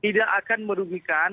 tidak akan merugikan